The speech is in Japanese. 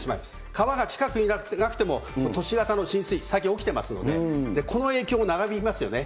川が近くになくても、都市型の浸水、最近起きてますので、この影響も長引きますよね。